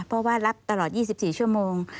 เพราะว่ารับตลอด๒๔ชั่วโมง